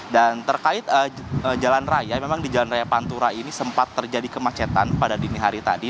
dan terkait jalan raya memang di jalan raya pantura ini sempat terjadi kemacetan pada dini hari tadi